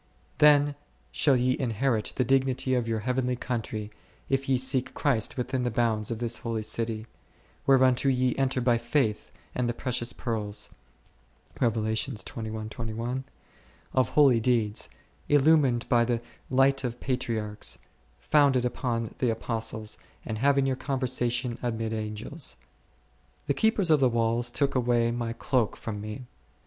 Then shall ye inherit the dignity of your heavenly country, if ye seek Christ within the bounds of this holy city, whereunto ye enter by faith and the precious pearls 2 of holy deeds, illumined by the light of Patriarchs, founded upon the Apostles, and having your conversation amid Angels. The keepers of the walls took away my cloak from me.